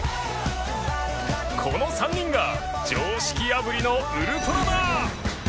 この３人が常識破りのウルトラだ！